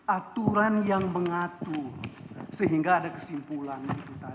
aturan yang mengatur sehingga ada kesimpulan itu tadi